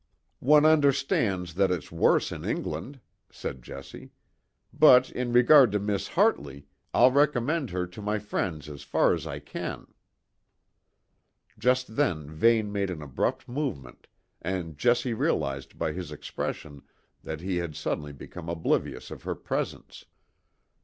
"One understands that it's worse in England," said Jessie. "But in regard to Miss Hartley, I'll recommend her to my friends as far as I can." Just then Vane made an abrupt movement, and Jessie realised by his expression that he had suddenly become oblivious of her presence.